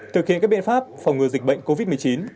thực hiện các biện pháp phòng ngừa dịch bệnh covid một mươi chín